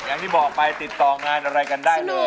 อย่างที่บอกไปติดต่องานอะไรกันได้เลย